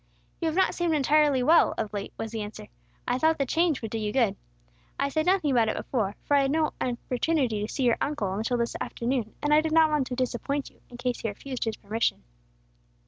"You have not seemed entirely well, of late," was the answer. "I thought the change would do you good. I said nothing about it before, for I had no opportunity to see your uncle until this afternoon; and I did not want to disappoint you, in case he refused his permission."